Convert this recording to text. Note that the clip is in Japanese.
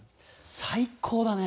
最高だね！